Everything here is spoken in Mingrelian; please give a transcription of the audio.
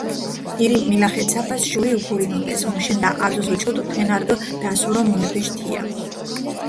ირი მილახეცაფას შური უფურინუნდეს, მუშენდა არძოს უჩქუდჷ, თენა რდჷ დასურო მუნეფიშ თია.